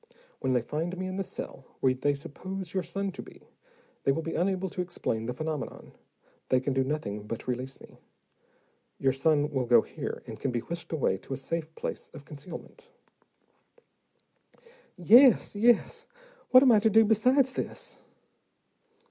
When they find me in the cell where they suppose your son to be, they will be unable to explain the phenomenon; they can do nothing but release me. Your son will go here, and can be whisked away to a safe place of concealment." "Yes, yes. What am I to do besides this?"